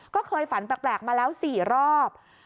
ก็เคยฝันแปลกมาแล้ว๔รอบ